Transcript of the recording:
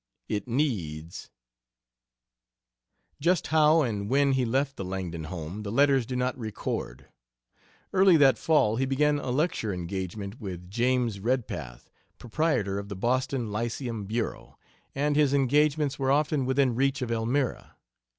It needs Just how and when he left the Langdon home the letters do not record. Early that fall he began a lecture engagement with James Redpath, proprietor of the Boston Lyceum Bureau, and his engagements were often within reach of Elmira.